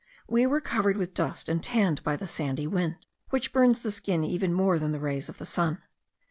We were covered with dust, and tanned by the sandy wind, which burns the skin even more than the rays of the sun.